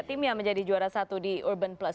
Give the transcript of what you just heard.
timnya menjadi juara satu di urban plus